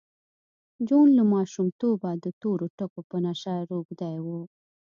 جون له ماشومتوبه د تورو ټکو په نشه روږدی و